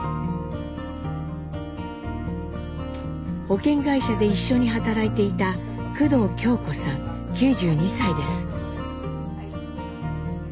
保険会社で一緒に働いていた工藤京子さん９２歳です。